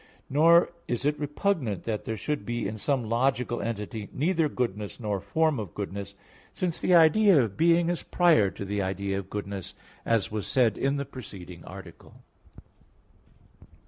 Nor is it repugnant that there should be in some logical entity neither goodness nor form of goodness; since the idea of being is prior to the idea of goodness, as was said in the preceding article.